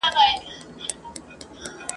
اوس « غلی شانته انقلاب» سندري نه ږغوي !.